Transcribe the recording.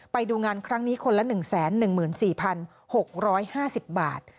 ไปดูงานครั้งนี้คนละ๑๑๔๖๕๐บาท